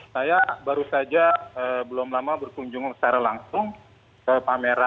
saya baru saja belum lama berkunjung secara langsung ke pameran